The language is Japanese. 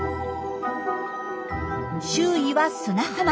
周囲は砂浜。